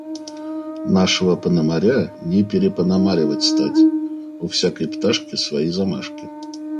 Нашего пономаря не перепономаривать стать. У всякой пташки свои замашки.